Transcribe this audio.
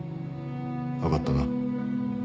分かったな？